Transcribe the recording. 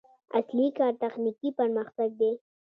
اصلي کار تخنیکي پرمختګ دی.